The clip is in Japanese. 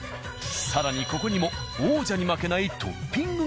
更にここにも王者に負けないトッピングが。